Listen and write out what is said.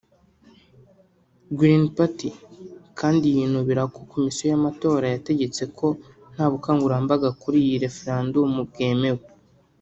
Green Party kandi yinubira ko Komisiyo y’Amatora yategetse ko nta bukangurambaga kuri iyi referendum bwemewe